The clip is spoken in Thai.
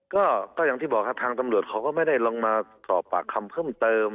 ก็อย่างที่บอกครับทางตำรวจเขาก็ไม่ได้ลองมาสอบปากคำเพิ่มเติม